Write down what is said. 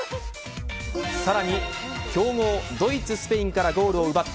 さらに強豪、ドイツスペインからボールを奪った。